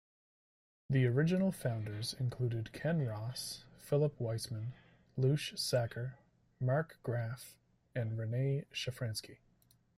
Original founders included Ken Ross, Philip Weisman, Lushe Sacker, Mark Graff, Renee Shafransky.